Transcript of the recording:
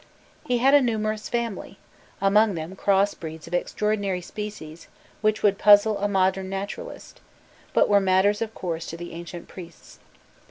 He had a numerous family: among them cross breeds of extraordinary species which would puzzle a modern naturalist, but were matters of course to the ancient priests.